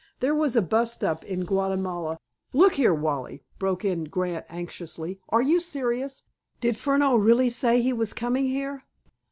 There was a bust up in Guatemala—" "Look here, Wally," broke in Grant anxiously. "Are you serious? Did Furneaux really say he was coming here?"